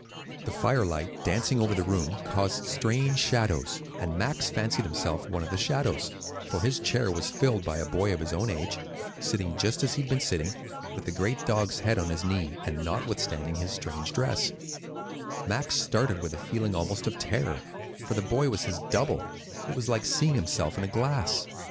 The firelight, dancing over the room, caused strange shadows; and Max fancied himself one of the shadows, for his chair was filled by a boy of his own age, sitting just as he had been sitting, with the great dog's head on his knee; and notwithstanding his strange dress, Max started with a feeling almost of terror, for the boy was his double; it was like seeing himself in the glass.